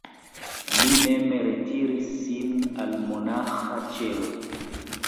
Li mem retiris sin al monaĥa ĉelo.